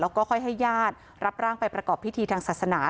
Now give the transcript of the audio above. แล้วก็ค่อยให้ญาติรับร่างไปประกอบพิธีทางศาสนา